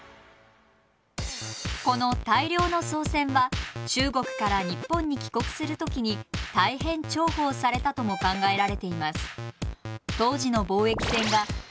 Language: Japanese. この大量の宋銭は中国から日本に帰国する時に大変重宝されたとも考えられています。